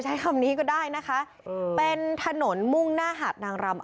ใช้คำนี้ก็ได้นะคะเป็นถนนมุ่งหน้าหาดนางรำ